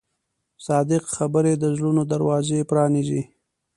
صادق خبرې د زړونو دروازې پرانیزي.